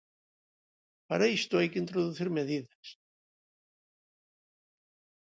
Para isto, hai que introducir medidas.